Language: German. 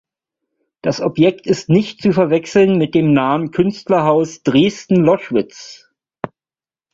Das Objekt ist nicht zu verwechseln mit dem nahen Künstlerhaus Dresden-Loschwitz.